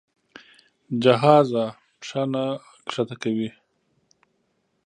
جهازه پښه نه ښکته کوي.